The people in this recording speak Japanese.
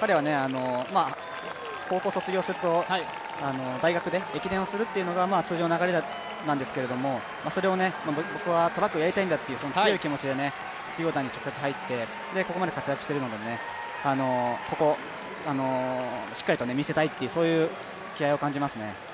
彼は高校を卒業すると大学で駅伝をするというのが通常の流れなんけれども、それを僕はトラックをやりたいんだという強い気持ちで実業団に直接入って、ここまで活躍してるので、ここをしっかりと見せたいという気合いを感じますね。